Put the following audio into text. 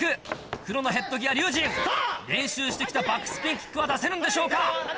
黒のヘッドギア龍心練習して来たバックスピンキックは出せるんでしょうか。